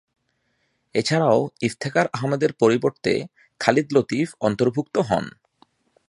এছাড়াও, ইফতিখার আহমেদের পরিবর্তে খালিদ লতিফ অন্তর্ভুক্ত হন।